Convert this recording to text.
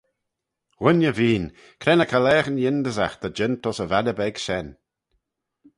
Wooinney veen! Cre ny caghlaaghyn yindyssagh ta jeant ayns y valley beg shen.